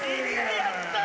やったー！